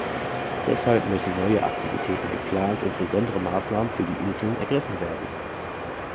Deshalb müssen neue Aktivitäten geplant und besondere Maßnahmen für die Inseln ergriffen werden.